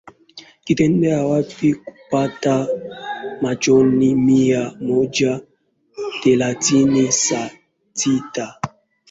Kidedea kwa kupata magoli mia moja thelathini na sita